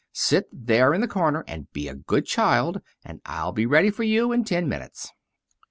Sit there in the corner and be a good child, and I'll be ready for you in ten minutes."